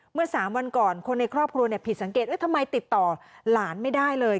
เมื่อ๓วันก่อนคนในครอบครัวผิดสังเกตทำไมติดต่อหลานไม่ได้เลย